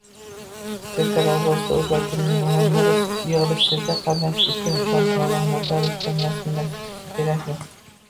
Shirkat aʼzosiga o‘z vakilining umumiy yig‘ilishida qatnashishi uchun ishonchnomani notariusdan rasmiylashtirishi kerakmi?